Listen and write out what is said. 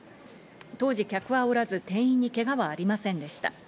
当時、客はおらず店員にけがはありませんでした。